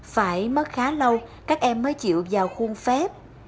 phải mất khá lâu các em mới chịu vào khuôn phép